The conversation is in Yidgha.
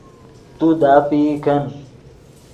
تو داپئی کن